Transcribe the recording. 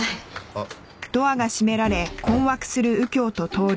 あっ。